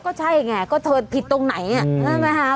ก็ใช่ไงก็เธอผิดตรงไหนน่ะรู้ไหมฮะ